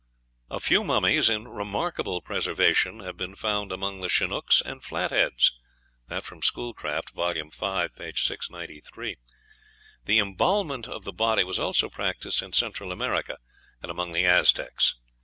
"A few mummies in remarkable preservation have been found among the Chinooks and Flatheads." (Schoolcraft, vol. v., p. 693.) The embalmment of the body was also practised in Central America and among the Aztecs.